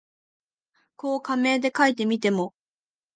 こう仮名で書いてみても、